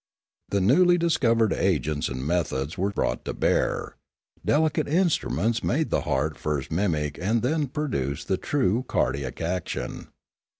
The newly discovered agents and methods were brought to bear. Delicate instruments made the heart first mimic and then produce the true cardiac action.